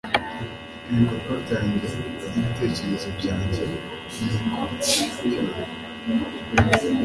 ibikorwa byanjye n'ibitekerezo byanjye biri kure cyane